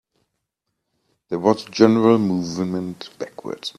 There was a general movement backwards.